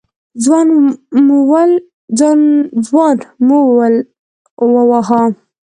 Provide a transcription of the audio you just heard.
ځوان مول وواهه.